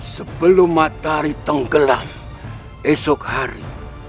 sebelum matahari tenggelam esok hari